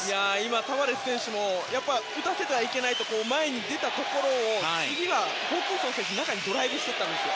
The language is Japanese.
タバレス選手も打たせてはいけないと前に出たところを次はホーキンソン選手が中にドライブをしていったんですよ。